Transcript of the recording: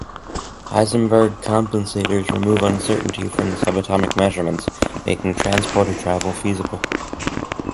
Heisenberg compensators remove uncertainty from the subatomic measurements, making transporter travel feasible.